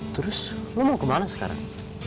terus lo mau kemana sekarang